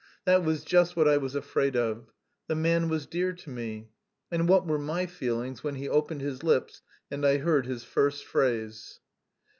That was just what I was afraid of. The man was dear to me. And what were my feelings when he opened his lips and I heard his first phrase?